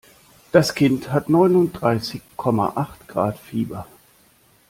Das Kind hat neununddreißig Komma acht Grad Fieber.